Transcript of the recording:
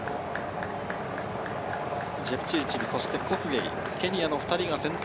ジェプチルチル、そしてコスゲイ、ケニアの２人が先頭。